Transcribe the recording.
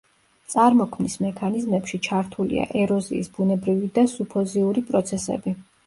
წარმოქმნის მექანიზმებში ჩართულია ეროზიის ბუნებრივი და სუფოზიური პროცესები.